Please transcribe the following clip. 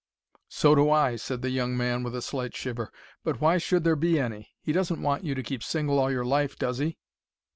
"So do I," said the young man, with a slight shiver. "But why should there be any? He doesn't want you to keep single all your life, does he?"